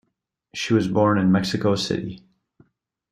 She was born in Mexico City.